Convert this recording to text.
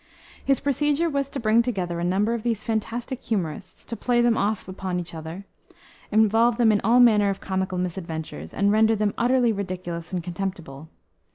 His procedure was to bring together a number of these fantastic humorists, to play them off upon each other, involve them in all manner of comical misadventures, and render them utterly ridiculous and contemptible.